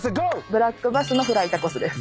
ブラックバスのフライタコスです。